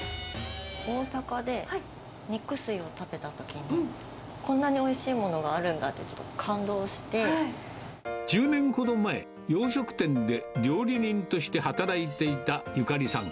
大阪で、肉すいを食べたときに、こんなにおいしいものがあるんだって、１０年ほど前、洋食店で料理人として働いていたゆかりさん。